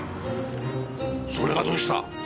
それがどうした？